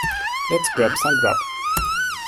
Let's grab some grub.